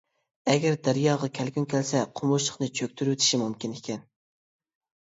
ئەگەر دەرياغا كەلكۈن كەلسە قومۇشلۇقنى چۆكتۈرۈۋېتىشى مۇمكىن ئىكەن.